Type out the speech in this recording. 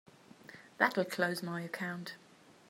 That'll close my account.